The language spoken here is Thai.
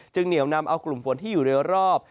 เหนียวนำเอากลุ่มฝนที่อยู่ในรอบ